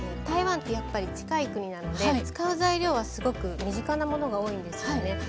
台湾ってやっぱり近い国なので使う材料はすごく身近なものが多いんですよね。